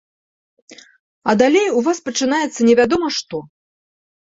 А далей у вас пачынаецца невядома што.